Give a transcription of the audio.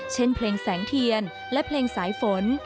เช่นเพลงแสงเทียนและเพลงสายฝน